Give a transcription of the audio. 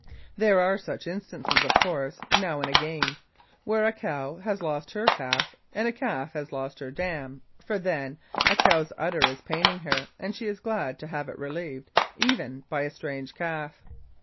There are such instances, of course, now and again, where a cow has lost her calf and a calf has lost her dam, for then a cow's udder is paining her, and she is glad to have it relieved even by a strange calf.